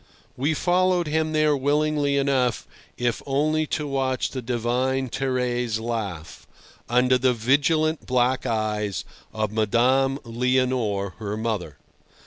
We followed him there willingly enough, if only to watch the divine Thérèse laugh, under the vigilant black eyes of Madame Leonore, her mother.